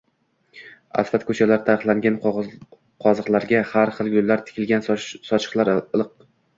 atlas koʼrpachalar taxlangan, qoziqlarga har xil gullar tikilgan sochiqlar iligʼliq.